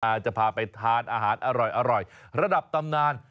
จะพาไปทานอาหารอร่อยระดับตำนาน